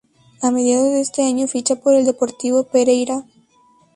A mediados de ese año ficha por el Deportivo Pereira.